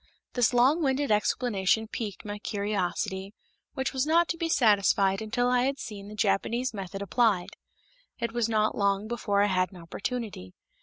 This long winded explanation piqued my curiosity, which was not to be satisfied until I had seen the Japanese method applied. It was not long before I had an opportunity.